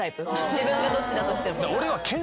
自分がどっちだとしても。